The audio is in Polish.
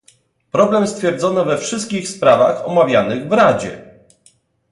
Problem stwierdzono we wszystkich sprawach omawianych w Radzie